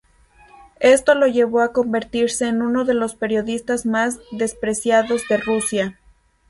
Esto lo llevó a convertirse en uno de los periodistas más despreciados de Rusia.